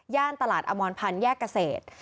ย่านตลาดอมวลพันธุ์แยกกเศษ